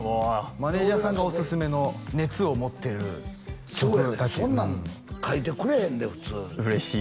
マネージャーさんがオススメの熱を持ってる曲達そんなん書いてくれへんで普通嬉しい